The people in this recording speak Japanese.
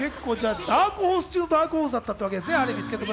ダークホース中のダークホースだったわけですね。